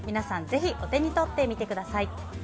ぜひ、お手に取ってみてください。